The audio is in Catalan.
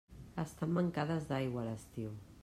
Estan mancades d'aigua a l'estiu.